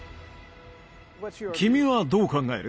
君はどう考える？